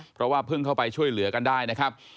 เพราะว่าเพิ่งเข้าไปช่วยเหลือกันได้นะครับ